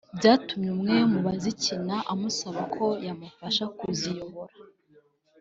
byatumye umwe mu bazikina amusaba ko yamufasha kuziyobora